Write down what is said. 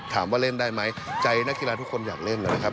ถามว่าเล่นได้ไหมใจนักกีฬาทุกคนอยากเล่นนะครับ